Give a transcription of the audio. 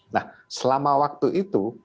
nah selama waktu itu